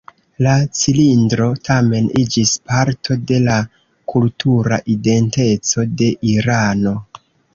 La cilindro, tamen, iĝis parto de la kultura identeco de Irano.